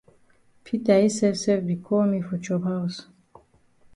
Peter yi sef sef be call me for chop haus.